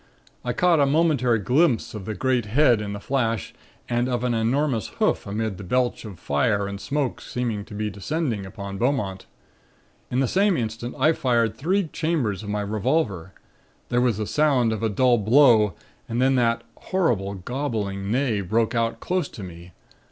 I caught a momentary glimpse of the great head in the flash and of an enormous hoof amid the belch of fire and smoke seeming to be descending upon Beaumont. In the same instant I fired three chambers of my revolver. There was the sound of a dull blow and then that horrible, gobbling neigh broke out close to me.